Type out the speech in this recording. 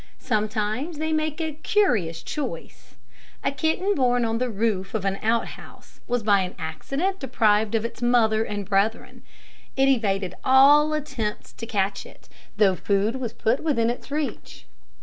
Sometimes they make a curious choice. A kitten born on the roof of an out house was by an accident deprived of its mother and brethren. It evaded all attempts to catch it, though food was put within its reach.